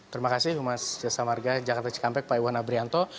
terima kasih humas jasa marga jakarta cikampek pak iwan abrianto